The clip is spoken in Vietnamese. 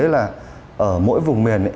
là ở mỗi vùng miền